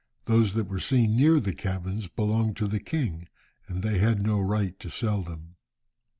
Those that were seen near the cabins belonged to the king, and they had no right to sell them.